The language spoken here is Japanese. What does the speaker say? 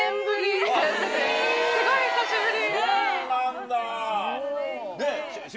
すごい久しぶり。